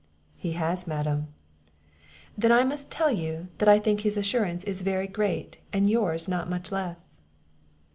"He has, Madam." "Then I must tell you, that I think his assurance is very great, and yours not much less."